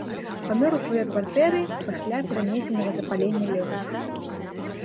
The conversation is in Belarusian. Памёр у сваёй кватэры пасля перанесенага запалення лёгкіх.